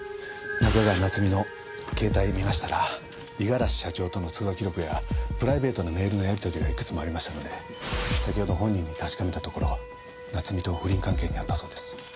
中川夏美の携帯を見ましたら五十嵐社長との通話記録やプライベートなメールのやり取りがいくつもありましたので先ほど本人に確かめたところ夏美と不倫関係にあったそうです。